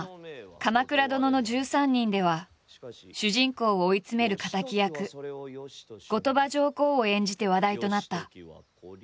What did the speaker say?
「鎌倉殿の１３人」では主人公を追い詰める敵役後鳥羽上皇を演じて話題となった。